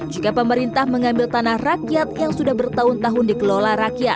jika pemerintah mengambil tanah rakyat yang sudah bertahun tahun dikelola rakyat